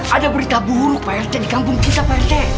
ada berita buruk pak rt di kampung kita pak rt